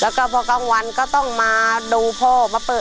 แล้วก็พอกลางวันก็ต้องมาดูพ่อมาเปิด